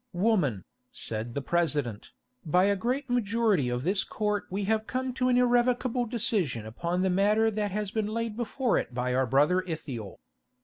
"Woman," said the President, "by a great majority of this Court we have come to an irrevocable decision upon the matter that has been laid before it by our brother Ithiel.